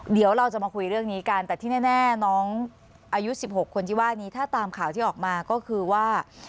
เดี๋ยวเราจะมาคุยเรื่องนี้กันแต่ที่แน่น้องอายุ๑๖คนที่ว่านี้ถ้าตามข่าวที่ออกมาก็คือว่า